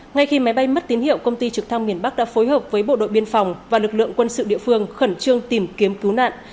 ngay khi máy bay mất tín hiệu công ty trực thăng miền bắc đã phối hợp với bộ đội biên phòng và lực lượng quân sự địa phương khẩn trương tìm kiếm cứu nạn